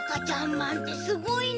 まんってすごいな！